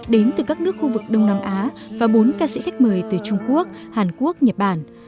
đến từ các nước khu vực đông nam á và bốn ca sĩ khách mời từ trung quốc hàn quốc nhật bản